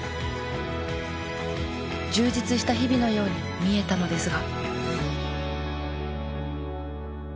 充実した日々のように見えたのですが。